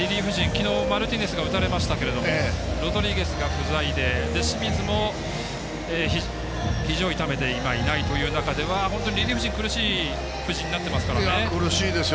昨日、マルティネスが打たれましたけどもロドリゲスが不在で清水もひじを痛めて今、いないという中ではリリーフ陣が苦しいですよね。